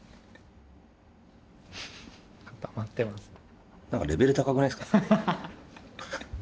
固まってますね。